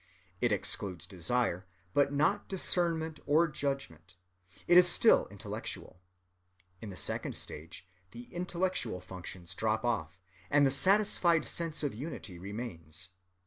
It excludes desire, but not discernment or judgment: it is still intellectual. In the second stage the intellectual functions drop off, and the satisfied sense of unity remains.